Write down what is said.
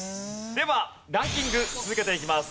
ではランキング続けていきます。